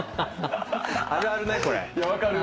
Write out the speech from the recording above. あるあるねこれ。